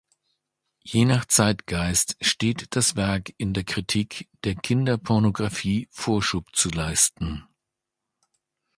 Je nach Zeitgeist steht das Werk in der Kritik, der Kinderpornografie Vorschub zu leisten.